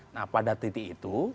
nah pada titik itu